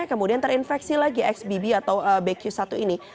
kemudian terinfeksi lagi xbb atau bq satu ini